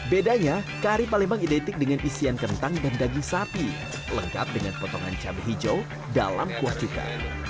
bedanya kari palembang identik dengan isian kentang dan daging sapi lengkap dengan potongan cabai hijau dalam kuah cuka